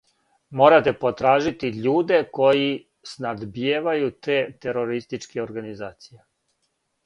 Морате потражити људе који снабдијевају те терористичке организације.